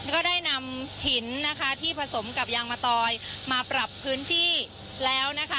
ก็ได้นำหินนะคะที่ผสมกับยางมะตอยมาปรับพื้นที่แล้วนะคะ